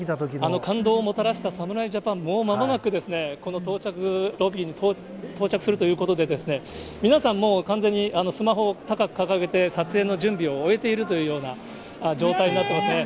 あの感動をもたらした侍ジャパンがもうまもなくですね、この到着ロビーに到着するということで、皆さんもう、完全にスマホを高く掲げて、撮影の準備を終えているというような状態になってますね。